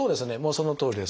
そのとおりです。